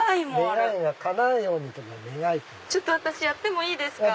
ちょっと私やってもいいですか？